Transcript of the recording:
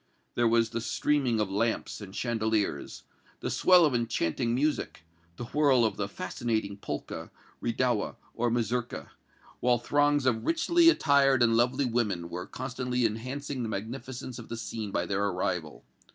There was the streaming of lamps and chandeliers, the swell of enchanting music, the whirl of the fascinating polka, redowa or mazurka, while throngs of richly attired and lovely women were constantly enhancing the magnificence of the scene by their arrival.